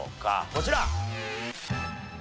こちら！